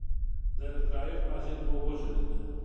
د ارکرایټ ماشین پر اوبو چلېده.